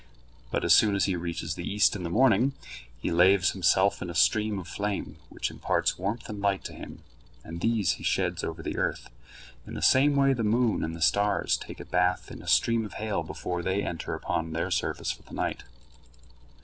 But as soon as he reaches the east in the morning, he laves himself in a stream of flame, which imparts warmth and light to him, and these he sheds over the earth. In the same way the moon and the stars take a bath in a stream of hail before they enter upon their service for the night.